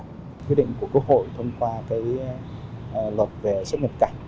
quyết định của quốc hội thông qua luật về sức nghiệp cảnh